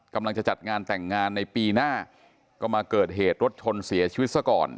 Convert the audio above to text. จัดงานแต่งงานในปีหน้าก็มาเกิดเหตุรถชนเสียชีวิตซะก่อน